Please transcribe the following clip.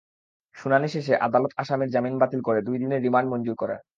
শুনানি শেষে আদালত আসামির জামিন বাতিল করে দুই দিনের রিমান্ড মঞ্জুর করেন।